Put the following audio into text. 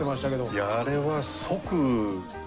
いやあれは。